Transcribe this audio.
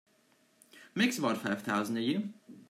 Makes about five thousand a year.